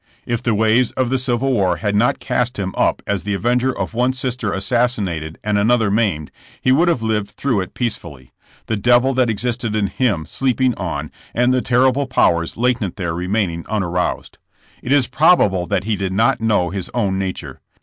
If the waves of the civil war had not cast him Tip as the avenger of one sister assassinated and an other maimed, he would have lived through it peace fully, the devil that existed in him sleeping on, and the terrible powers latent there remaining unaroused. It is probable that he did not know his own nature.